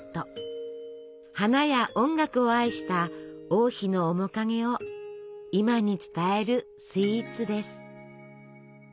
花や音楽を愛した王妃の面影を今に伝えるスイーツです。